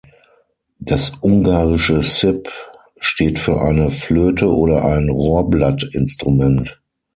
Das ungarische "sip" steht für eine Flöte oder ein Rohrblattinstrument.